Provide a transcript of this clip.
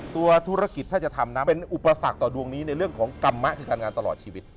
ตัวธุรกิจถ้าจะทำนะเป็นอุปสรรคต่อดวงนี้ในเรื่องของกรรมะคือการงานตลอดชีวิต